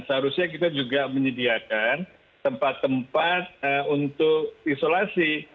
seharusnya kita juga menyediakan tempat tempat untuk isolasi